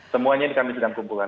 semuanya kami sedang kumpulkan